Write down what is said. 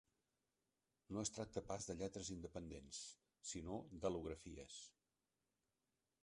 No es tracta pas de lletres independents, sinó d'al·lografies.